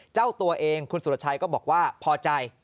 เจ้าตัวเองคุณสุรชัยก็บอกว่าพอใจ